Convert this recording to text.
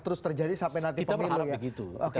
terus terjadi sampai nanti pemilu ya kita berharap begitu